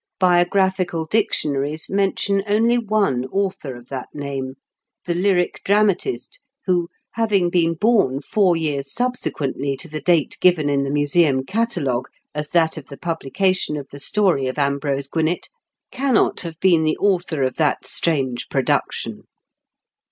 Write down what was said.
Biographical dictionaries mention only one author of that name, the lyric dramatist, who, having been born four years subsequently to the date given in the Museum catalogue as that of the publi cation of the story of Ambrose Gwinett, cannot have been the author of that strange production.